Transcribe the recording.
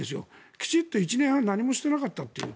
きちんと１年半何もしていなかったという。